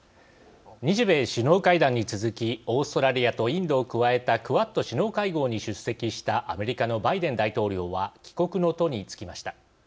日米首脳会談に続きオーストラリアとインドを加えたクアッド首脳会合に出席したアメリカのバイデン大統領は帰国の途に就きました。